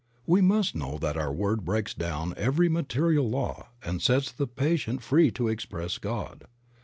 We must know that our word breaks down every material law and sets the patient free to express God.